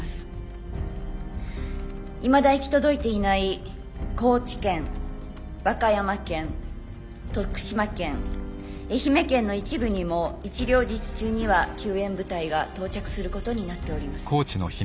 いまだ行き届いていない高知県和歌山県徳島県愛媛県の一部にも一両日中には救援部隊が到着することになっております。